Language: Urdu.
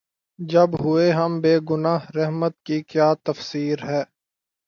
جب ہوئے ہم بے گنہ‘ رحمت کی کیا تفصیر ہے؟